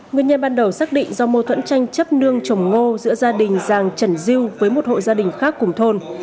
người nhà ban đầu xác định do mô thuẫn tranh chấp nương chồng ngô giữa gia đình giàng trần diêu với một hội gia đình khác cùng thôn